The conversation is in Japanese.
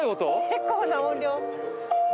結構な音量。